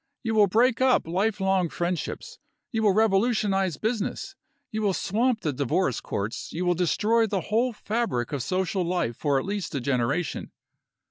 You will break up life long friendships, you will revolutionize business, you will swamp the divorce courts, you will destroy the whole fabric of social life for at least a generation.